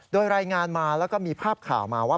โดยรายงานมาแล้วก็มีภาพข่าวมาว่า